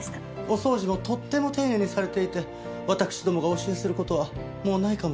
お掃除もとっても丁寧にされていてわたくしどもがお教えする事はもうないかもしれません。